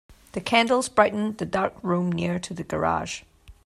The candles brightened the dark room near to the garage.